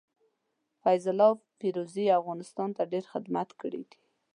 فيض الله فيروزي افغانستان ته ډير خدمت کړي دي.